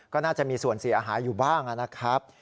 ก็น่าจะมีส่วนเสียหายอยู่บ้างนะครับ